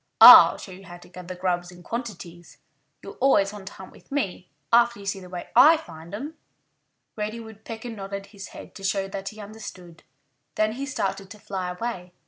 I'll show you how to gather grubs in quantities. You'll always want to hunt with me, after you see the way I find 'em." Reddy Woodpecker nodded his head to show that he understood. Then he started to fly away.